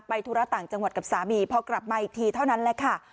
ธุระต่างจังหวัดกับสามีพอกลับมาอีกทีเท่านั้นแหละค่ะ